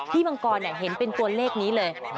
พี่บังกอนเห็นเป็นตัวเล็กนี้เลย